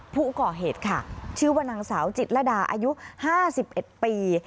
ผู้ก่อเหตุค่ะชื่อว่านางสาวจิตรดาอายุ๕๑ปี